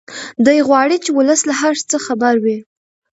دی غواړي چې ولس له هر څه خبر وي.